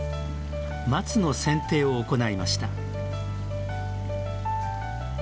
松の剪定を行いました。